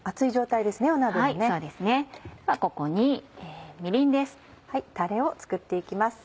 たれを作って行きます。